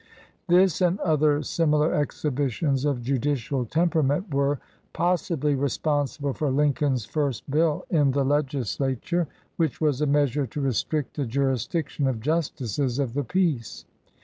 This and other similar exhibitions of judicial temperament were pos sibly responsible for Lincoln's first bill in the legislature, which was a measure to restrict the 29 LINCOLN THE LAWYER jurisdiction of justices of the peace.